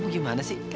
kenapa sih pi